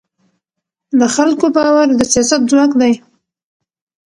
د خلکو باور د سیاست ځواک دی